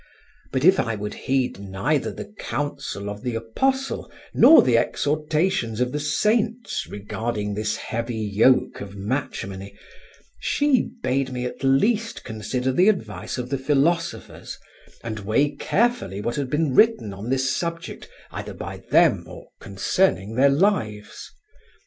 But if I would heed neither the counsel of the Apostle nor the exhortations of the saints regarding this heavy yoke of matrimony, she bade me at least consider the advice of the philosophers, and weigh carefully what had been written on this subject either by them or concerning their lives.